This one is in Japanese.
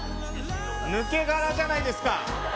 抜け殻じゃないですか。